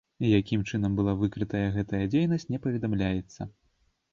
Якім чынам была выкрытая гэтая дзейнасць, не паведамляецца.